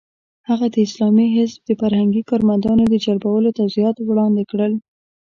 هغه د اسلامي حزب د فرهنګي کارمندانو د جلبولو توضیحات وړاندې کړل.